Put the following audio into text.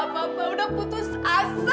mama udah putus asa